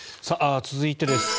続いてです。